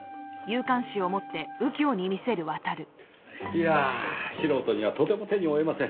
いやあ素人にはとても手に負えません。